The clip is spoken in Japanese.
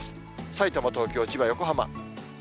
さいたま、東京、千葉、横浜。